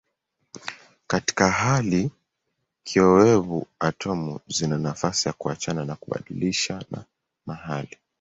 Katika hali kiowevu atomu zina nafasi ya kuachana na kubadilishana mahali.